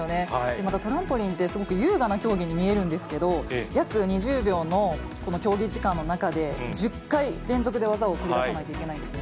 またトランポリンって、すごく優雅な競技に見えるんですけれども、約２０秒のこの競技時間の中で、１０回連続で技を繰り出さなければいけないんですね。